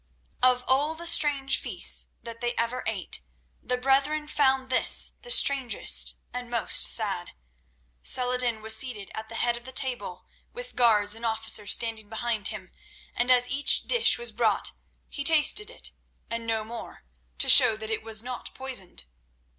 Of all the strange feasts that they ever ate the brethren found this the strangest and the most sad. Saladin was seated at the head of the table with guards and officers standing behind him, and as each dish was brought he tasted it and no more, to show that it was not poisoned.